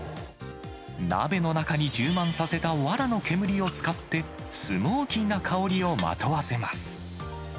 鍋の中に充満させたわらの煙を使って、スモーキーな香りをまとわせます。